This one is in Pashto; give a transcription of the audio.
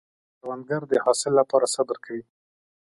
کروندګر د حاصل له پاره صبر کوي